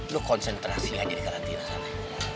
lo konsentrasi aja di karantina